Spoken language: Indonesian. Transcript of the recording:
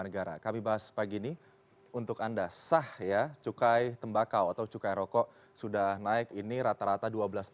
negara kami bahas pagi ini untuk anda sah ya cukai tembakau atau cukai rokok sudah naik ini rata rata